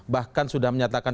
bahkan sudah menyatakan